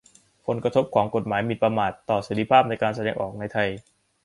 ผลกระทบของกฎหมายหมิ่นประมาทต่อเสรีภาพในการแสดงออกในไทย